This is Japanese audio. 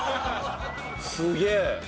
すげえ。